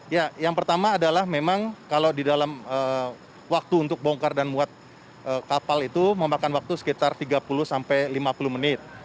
ya yang pertama adalah memang kalau di dalam waktu untuk bongkar dan muat kapal itu memakan waktu sekitar tiga puluh sampai lima puluh menit